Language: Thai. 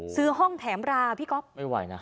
ซื้อห้องแถมราพี่ก๊อฟไม่ไหวนะ